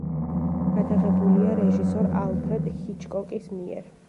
გადაღებულია რეჟისორ ალფრედ ჰიჩკოკის მიერ.